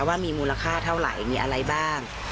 ว่ามีมูลค่าเท่าไหร่มีอะไรบ้าง